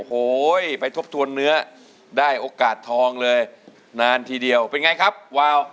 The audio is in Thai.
โอ้โหไปทบทวนเนื้อได้โอกาสทองเลยนานทีเดียวเป็นไงครับวาว